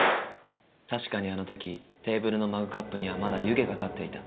確かにあの時テーブルのマグカップにはまだ湯気が立っていた。